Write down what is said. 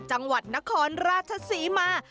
จังหวัดนครราชศรีมา